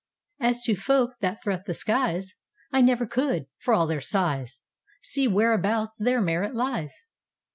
As to folk that threat the skies,I never could, for all their size, See whereabouts their merit lies.